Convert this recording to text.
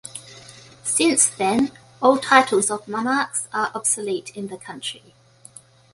Since then, all titles of monarchs are obsolete in the country.